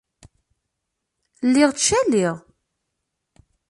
Lliɣ ttcaliɣ.